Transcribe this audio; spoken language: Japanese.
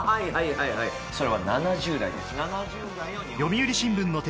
はいはいそれは７０台です。